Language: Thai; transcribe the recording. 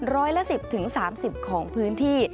ร้อยละ๑๐๓๐ของพื้นที่